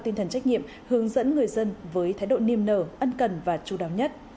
tinh thần trách nhiệm hướng dẫn người dân với thái độ niềm nở ân cần và chú đáo nhất